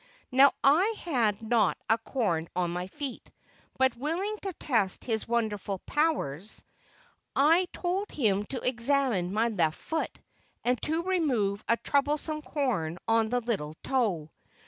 Now I had not a corn on my feet, but willing to test his wonderful powers, I told him to examine my left foot, and to remove a troublesome corn on the little toe.